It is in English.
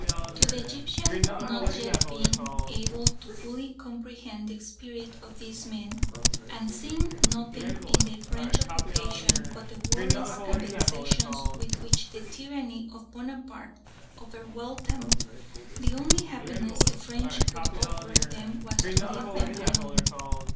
To the Egyptian, not yet being able to fully comprehend the spirit of these men, and seeing nothing in the French occupation but the worries and vexations with which the tyranny of Bonaparte overwhelmed them, the only happiness the French could offer them was to leave them alone.